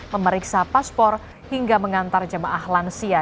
memeriksa paspor hingga mengantar jemaah lansia